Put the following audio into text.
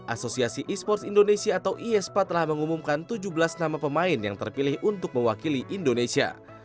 asosiasi e sports indonesia atau iespa telah mengumumkan tujuh belas nama pemain yang terpilih untuk mewakili indonesia